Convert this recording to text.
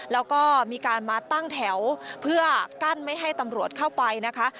แล้วก็มีการมาตั้งแถวเพื่อกั้นไม่ให้ตำรวจเข้าไปนะคะ